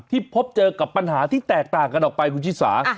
พบเจอกับปัญหาที่แตกต่างกันออกไปคุณชิสา